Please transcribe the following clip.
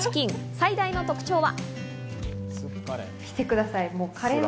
最大の特徴は。